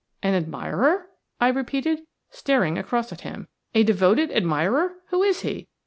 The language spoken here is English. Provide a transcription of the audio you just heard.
"An admirer!" I repeated, staring across at him. "A devoted admirer! Who is he?